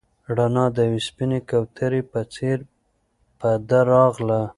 رڼا د یوې سپینې کوترې په څېر په ده راغله.